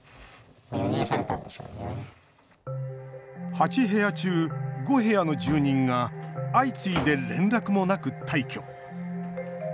８部屋中５部屋の住人が相次いで連絡もなく退去。